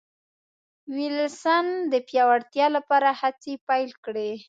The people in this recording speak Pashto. وېلسن د پیاوړتیا لپاره هڅې پیل کړې.